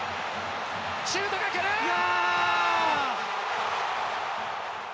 シュートが来る！